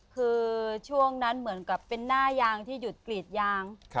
คือช่วงนั้นเหมือนกับเป็นหน้ายางที่หยุดกรีดยาง